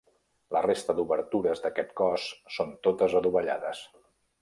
La resta d'obertures d'aquest cos són totes adovellades.